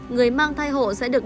người mang thai hộ sẽ được